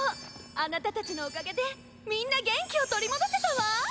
あなたたちのおかげでみんな元気を取り戻せたわ！